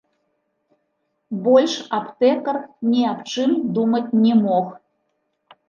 Больш аптэкар ні аб чым думаць не мог.